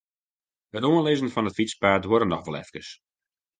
It oanlizzen fan it fytspaad duorre noch wol efkes.